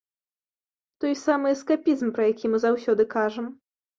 Той самы эскапізм, пра які мы заўсёды кажам.